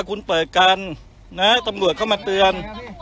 คุณเปิดกันนะตำรวจเข้ามาเตือน